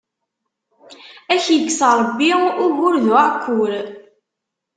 Ad ak-ikkes Ṛebbi ugur d uɛekkur!